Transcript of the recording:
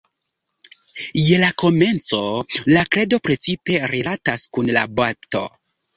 Je la komenco la Kredo precipe rilatas kun la bapto.